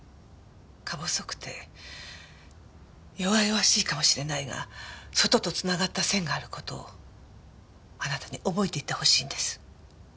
か細くて弱々しいかもしれないが外とつながった線がある事をあなたに覚えていてほしいんです。